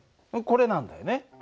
これなんだよね。